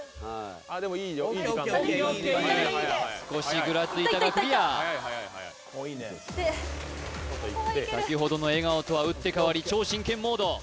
少しぐらついたがクリア先ほどの笑顔とは打って変わり超真剣モード